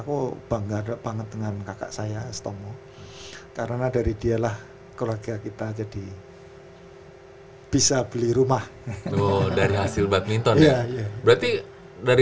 kamar mandi di luar